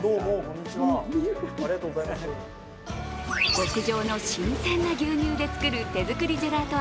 牧場の新鮮な牛乳で作る手作りジェラート